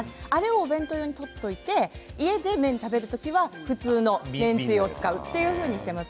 お弁当用に取っておいて家で麺を食べる時は普通の麺つゆを使うというふうにしています。